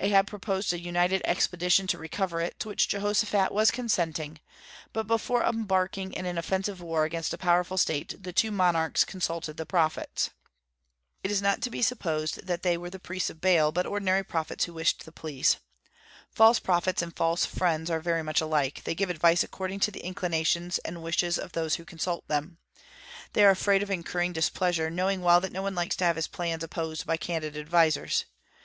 Ahab proposed a united expedition to recover it, to which Jehoshaphat was consenting; but before embarking in an offensive war against a powerful state, the two monarchs consulted the prophets. It is not to be supposed that they were the priests of Baal, but ordinary prophets who wished to please. False prophets and false friends are very much alike, they give advice according to the inclinations and wishes of those who consult them. They are afraid of incurring displeasure, knowing well that no one likes to have his plans opposed by candid advisers.